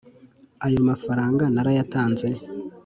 ayo mafaranga narayatanze